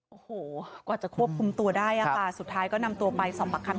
โอ้โหกว่าจะควบคุมตัวได้อะค่ะสุดท้ายก็นำตัวไปสอบปากคำ